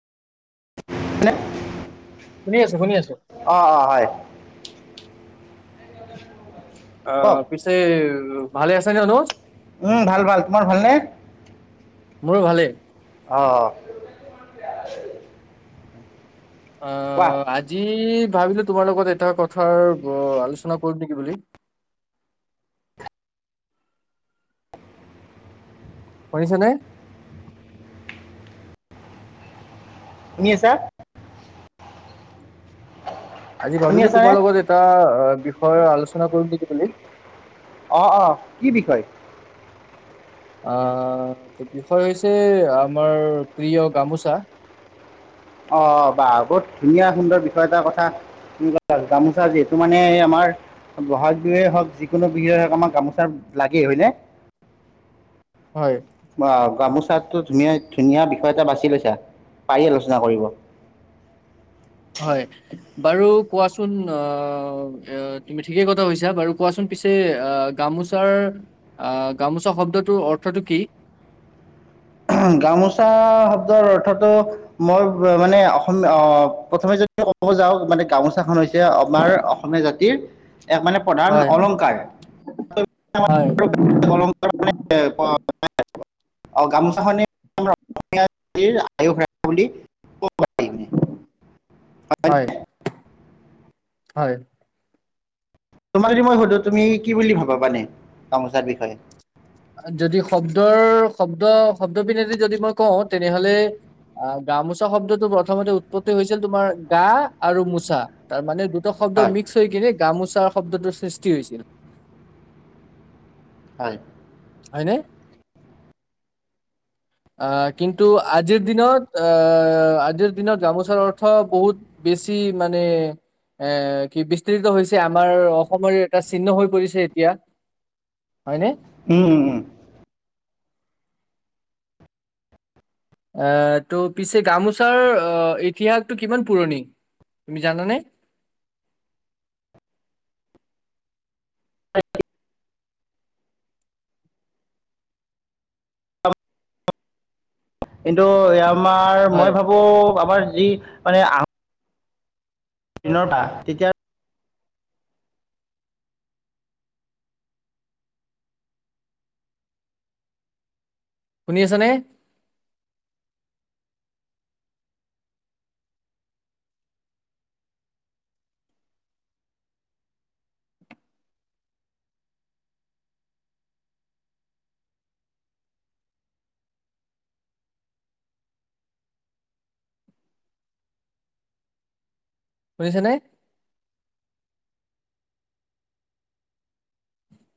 হয়নে। শুনি আছো শুনি আছো। অ কওক পিছে। উ ভালে আছছে অনুজ। উম ভাল ভাল তোমাৰ ভালনে। মোৰো ভালেই। অহঁ। অ আজি। ভাবিলো তোমাৰ লগত এটা কথাৰ আলোচনা কৰিম নেকি বুলি। শুনি ছানে শু নিআছা। আজি ভাবিলো আছানে তোমাৰ লগত এটা। হয় আলোচনা কৰিম নেকি বুলি। অ অ কি বিষয়। আহ বিষয় হৈছে আমাৰ প্ৰিয় গামোচা। অ বাাহ বহুত ধুনীয়া সুন্দৰ বিষয় এটাৰ কথা তুমি কা গামোচা যিহেতু মানে আমাৰ বহাগ বিহুৱে হওক যিকোনো বিহুৱ হওক আমাক গামোচা লাগেই হয়নে। হয় বা। গামোচাতো ধুনীয়া ধুনীয়া বিষয় এটা বাছি লৈছা পাৰি আলো চনা কৰিব হয় বাৰু কোৱাচোন অহ তুমি ঠিকেই কথা কৈছা বাৰু কোৱাচোন পিছে অহ গামোচাৰ অহ গামোচা শব্দটোৰ অৰ্থটো কি গামোচা শব্দৰ অৰ্থতো মই মানে অসমীয়া অহ প্ৰথমে যদি ক'ব যাওক মানে গামোচাখন হৈছে আমাৰ অসমীয়া জাতিৰ এক মানে প্ৰধান হয় অলংকাৰ হয় অলংকাৰ মানে অ গামো অসমীয়া জাতিৰ আয়ুস ৰেখা বুলি কব হয় হয় তোমাক যদি মই সুধো তুমি কি বুলি ভাবা মানে গামোচাৰ বিষয়ে যদি শব্দৰ শব্দ শব্দ পিনেদি যদি মই কওঁ তেনেহলে অহ গামোচা শব্দটো প্ৰথমতে উৎপত্তি হৈছিল তোমাৰ গা আৰু মোচা তাৰ মানে দু শব্দ হয়, মিক্স হৈ কিনে গামোচা তাৰ শব্দটোৰ সৃষ্টি হৈছিল সে হয়নে আহ কিন্তু আজিৰ দিনত আহ আজিৰ দিনত গামোচাৰ অৰ্থ বহুত বেছি মানে এ কি বিস্তিৰিত হৈছে আমাৰ অসমৰে এটা চিহ্ন হৈ পৰিছে এতিয়া হয়নে উম উম উম আহ ত' পিছে গামোচাৰ অহ ইতিহাসটো কিমান পুৰণি তুমি জানানে আ কিন্তু ইয়াৰ আমাৰ হয় মই ভাবো আমাৰ ই মানে আম দিনৰ পৰা তেতিয়াৰ শুনি আছে নে শুনিছে নে